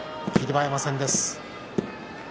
馬山戦です。